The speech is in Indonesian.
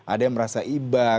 ada yang merasa ibak